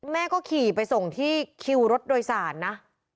แม่ก็ขี่ไปส่งที่คิวรถโดยสารนะ